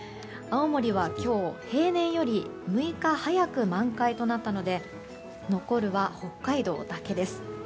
青森は今日、平年より６日早く満開となったので残るは北海道だけです。